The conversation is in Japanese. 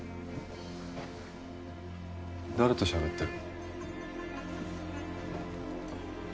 誰としゃべってる？